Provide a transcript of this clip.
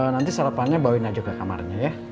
nanti sarapannya bawain aja ke kamarnya ya